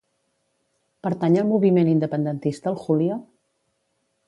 Pertany al moviment independentista el Julio?